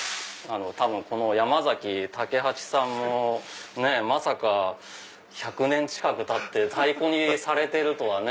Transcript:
多分山武八さんもまさか１００年近く経って太鼓にされてるとはね。